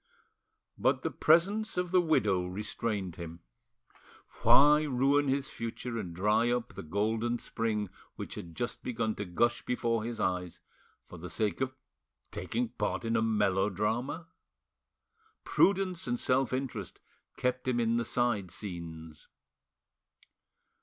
But the presence of the widow restrained him. Why ruin his future and dry up the golden spring which had just begun to gush before his eyes, for the sake of taking part in a melodrama? Prudence and self interest kept him in the side scenes.